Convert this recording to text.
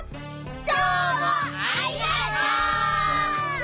どうもありがとう！